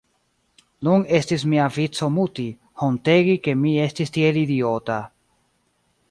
Nun estis mia vico muti, hontegi ke mi estis tiel idiota.